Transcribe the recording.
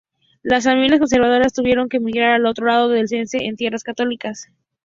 Las familias conservadoras tuvieron que migrar del otro lado del Sense en tierras católicas.